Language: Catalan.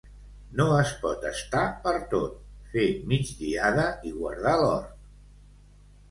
No es pot estar per tot, fer migdiada i guardar l'hort.